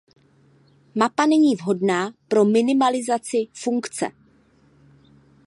Mapa není vhodná pro minimalizaci funkce.